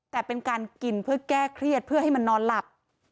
แต่เป็นการกินเพื่อแก้เครียดเพื่อให้มันนอนหลับ